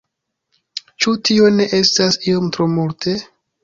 Ĉu tio ne estas iom tro multe?